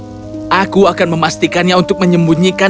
aku akan memastikannya untuk menyembunyikan